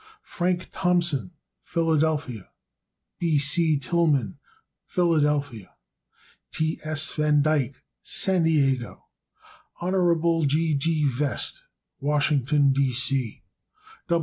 Frank Thompson, Philadelphia, Pa. B. C. Tilghman, Philadelphia, Pa. T. S. Van Dyke, San Diego, Cal. Hon. G. G. Vest, Washington, D.